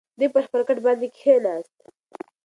دی پر خپل کټ باندې کښېناست.